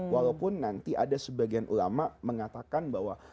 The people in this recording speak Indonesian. walaupun nanti ada sebagian ulama mengatakan bahwa